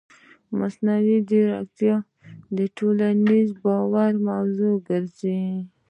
مصنوعي ځیرکتیا د ټولنیز باور موضوع ګرځي.